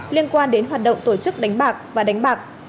liên quan đến hoạt động tổ chức đánh bạc và đánh bạc